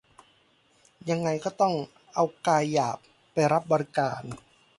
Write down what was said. ยังไงก็ต้องเอากายหยาบไปรับบริการ